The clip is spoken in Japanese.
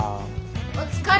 お疲れ。